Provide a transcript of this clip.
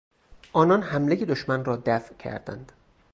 آنان حملهی دشمن را دفع کردند.